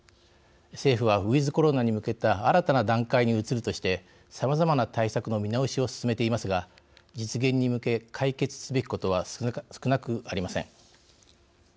政府は、ウィズコロナに向けた新たな段階に移るとしてさまざまな対策の見直しを進めていますが実現に向け、解決すべきことは少なくありません。